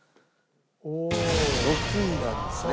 ６位なんですね。